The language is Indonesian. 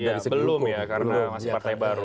ya karena masih partai baru